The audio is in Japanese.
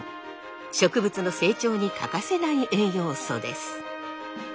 植物の成長に欠かせない栄養素です。